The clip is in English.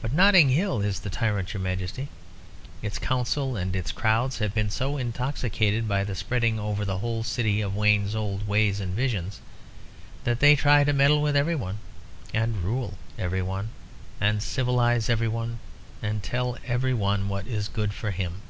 But Notting Hill is the tyrant, your Majesty. Its Council and its crowds have been so intoxicated by the spreading over the whole city of Wayne's old ways and visions, that they try to meddle with every one, and rule every one, and civilise every one, and tell every one what is good for him.